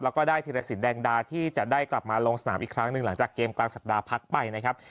แล้วก็ได้ธิรสินแดงดาที่จะได้กลับมาลงสนามอีกครั้งหนึ่งหลังจากเกมกลางสัปดาห์พักไปนะครับ